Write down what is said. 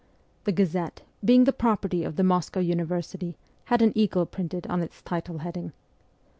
The Gazette, being the property of the Moscow University, had an eagle printed on its title heading.